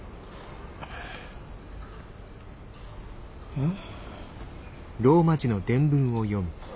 うん？